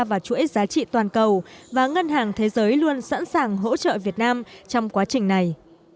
vào chuỗi giá trị toàn cầu và ngân hàng thế giới luôn sẵn sàng hỗ trợ việt nam trong quá trình này